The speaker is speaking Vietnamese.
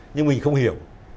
nhưng mình không hiểu